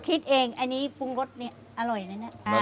คิดเองอันนี้ปรุงรสเนี่ยอร่อยนะเนี่ย